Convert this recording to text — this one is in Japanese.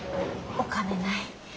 お金ない。